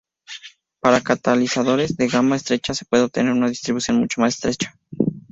Con catalizadores de gama estrecha se puede obtener una distribución mucho más estrecha.